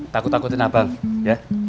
takut takutin abang ya